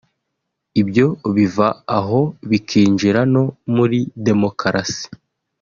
ibyo biva aho bikinjira no muri demokarasi